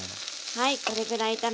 はい。